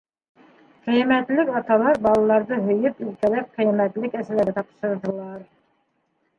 Ҡиәмәтлек аталар балаларҙы һөйөп-иркәләп ҡиәмәтлек әсәләргә тапшырҙылар.